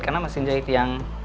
karena mesin jahit yang